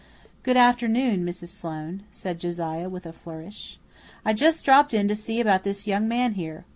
"Good afternoon, Mrs. Sloane," said Josiah with a flourish. "I just dropped in to see about this young man here.